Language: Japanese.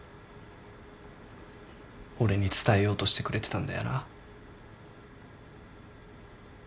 俺に伝えようとしてくれてたんだよな。